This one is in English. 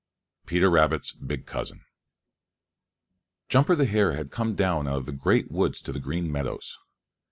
XV PETER RABBIT'S BIG COUSIN Jumper the Hare had come down out of the Great Woods to the Green Meadows.